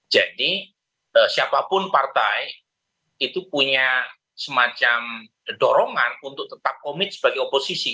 jadi siapapun partai itu punya semacam dorongan untuk tetap komit sebagai oposisi